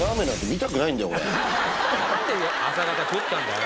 なんで朝方食ったんだよ。